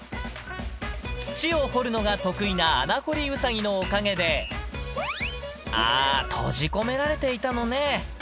土を掘るのが得意な穴掘りウサギのおかげで、ああ、閉じ込められていたのね。